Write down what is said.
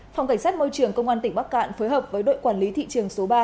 phòng cảnh sát môi trường công an tỉnh bắc cạn phối hợp với đội quản lý thị trường số ba